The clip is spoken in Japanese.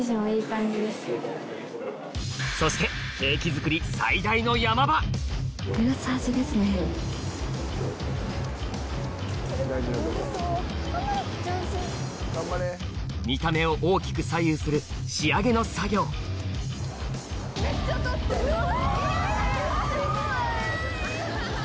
そして見た目を大きく左右する仕上げの作業怖い！